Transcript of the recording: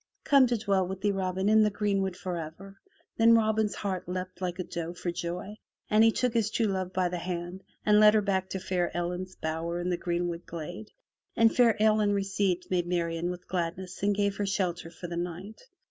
'' "Come to dwell with thee, Robin, in the greenwood forever!" Then Robin's heart leaped like a doe for joy and he took his true love by the hand and led her back to fair Ellen's bower in the greenwood glade, and fair Ellen received Maid Marian with gladness and gave her shelter for the night.